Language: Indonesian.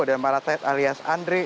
dan malatet alias andre